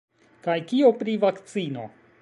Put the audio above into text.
Kaj kio pri vakcino?